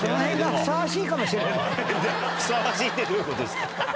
「ふさわしい」ってどういうことですか。